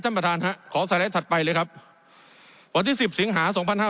ท่านประธานครับขอสไลด์ถัดไปเลยครับวันที่สิบสิงหาสองพันห้า